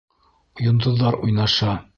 — Йондоҙҙар уйнаша.